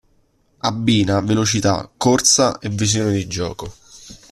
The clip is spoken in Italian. Abbina velocità, corsa e visione di gioco.